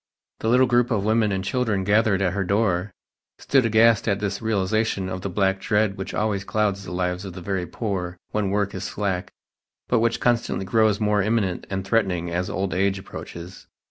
The little group of women and children gathered at her door stood aghast at this realization of the black dread which always clouds the lives of the very poor when work is slack, but which constantly grows more imminent and threatening as old age approaches.